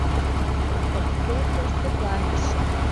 Пӧрткӧргӧ тыпланыш.